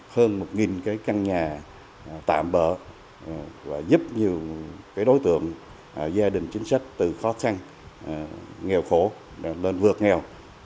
huyện có xây dựng hơn một cái căn nhà tạm bỡ và giúp nhiều cái đối tượng gia đình chính sách từ khó khăn nghèo khổ lên vượt nghèo